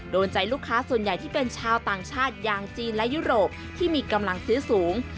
โดนใจลูกค้าส่วนใหญ่ที่เป็นชาวต่างชาติอย่างจีนและยุโรปที่มีกำลังซื้อสูง